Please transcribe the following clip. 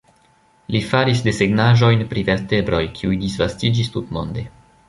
Li faris desegnaĵojn pri vertebroj, kiuj disvastiĝis tutmonde.